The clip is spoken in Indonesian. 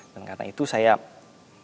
dan karena itu saya mencoba